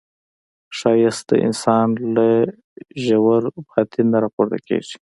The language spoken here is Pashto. ښایست د انسان له ژور باطن نه راپورته کېږي